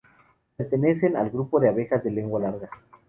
Pertenecen al grupo de abejas de lengua larga.